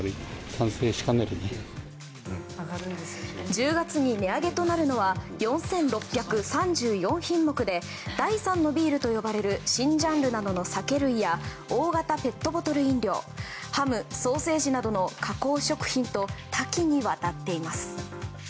１０月に値上げとなるのは４６３４品目で第３のビールと呼ばれる新ジャンルなどの酒類や大型ペットボトル飲料ハム・ソーセージなどの加工食品と多岐にわたっています。